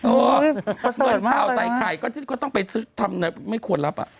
โอ้โฮเพราะเศรษฐ์มากเลยเอาใส่ไข่ก็ต้องไปซื้อทำไม่ควรรับ